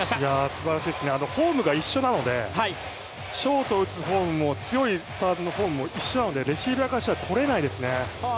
すばらしいですね、フォームが一緒なのでショートを打つフォームも強いサーブのフォームも一緒なので、レシーバーからしたらとれないですね。